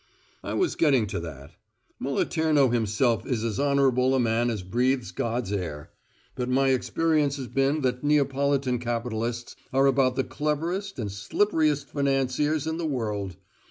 "I was getting to that. Moliterno himself is as honourable a man as breathes God's air. But my experience has been that Neapolitan capitalists are about the cleverest and slipperiest financiers in the world.